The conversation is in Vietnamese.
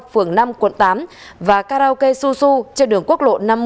phường năm quận tám và karaoke susu trên đường quốc lộ năm mươi